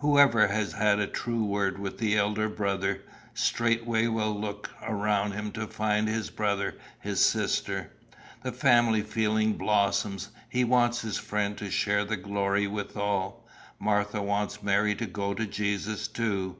Whoever has had a true word with the elder brother, straightway will look around him to find his brother, his sister. The family feeling blossoms: he wants his friend to share the glory withal. Martha wants Mary to go to Jesus too.